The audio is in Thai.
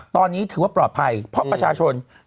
ตอนนี้ถือว่าปลอดภัยเพราะประชาชน